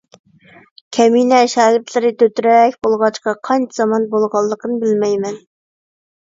كەمىنە شاگىرتلىرى دۆترەك بولغاچقا، قانچە زامان بولغانلىقىنى بىلمەيمەن.